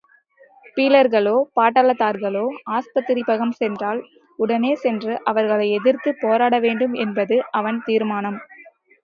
பீலர்களோ, பட்டாளத்தார்களோ ஆஸ்பத்திரிப்பக்கம் சென்றால், உடனே சென்று அவர்களை எதிர்த்து போராடவேண்டும் என்பது அவன் தீர்மானம்.